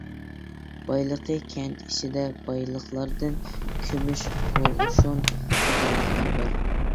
بايلىقى كەنت ئىچىدە بايلىقلاردىن كۈمۈش، قوغۇشۇن قاتارلىقلار بار.